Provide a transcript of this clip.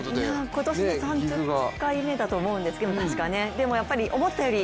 今年３０回目だと思うんですけど、確か。